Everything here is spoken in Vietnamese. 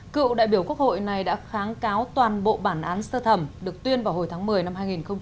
cựu đại biểu quốc hội này đã kháng cáo toàn bộ bản án sơ thẩm được tuyên vào hồi tháng một mươi năm hai nghìn một mươi chín